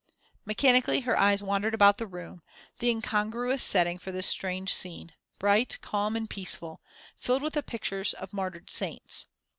Mechanically, her eyes wandered about the room, the incongruous setting for this strange scene bright, calm and peaceful; filled with the pictures of martyred saints.